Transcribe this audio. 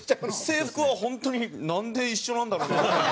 制服は本当になんで一緒なんだろうなと思って。